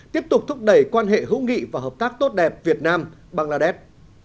tiếp tục thúc đẩy quan hệ hữu nghị và hợp tác tốt đẹp việt nam bangladesh